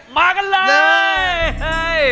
มากันเลย